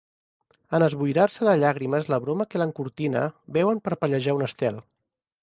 En esboirar-se de llàgrimes la broma que l'encortina, veuen parpellejar un estel.